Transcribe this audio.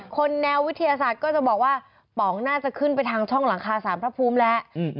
แนววิทยาศาสตร์ก็จะบอกว่าป๋องน่าจะขึ้นไปทางช่องหลังคาสารพระภูมิแล้ว